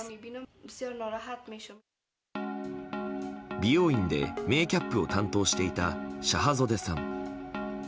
美容院でメーキャップを担当していたシャハゾデさん。